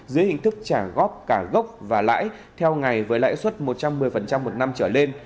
dưới hình thức trả góp cả gốc và lãi theo ngày với lãi suất một trăm một mươi một năm trở lên